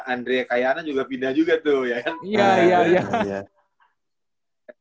andre kayana juga pindah juga tuh ya kan